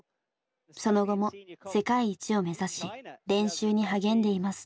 その後も世界一を目指し練習に励んでいます。